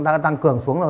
đang cường xuống rồi